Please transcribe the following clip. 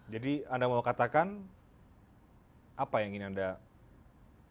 jadi anda mau katakan apa yang ingin anda sampaikan